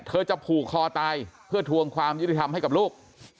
จะผูกคอตายเพื่อทวงความยุติธรรมให้กับลูก